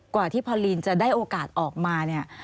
กว่าที่พอลีนจะได้โอกาสออกมาเนี่ย